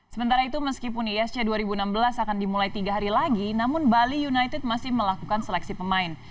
sementara itu meskipun isc dua ribu enam belas akan dimulai tiga hari lagi namun bali united masih melakukan seleksi pemain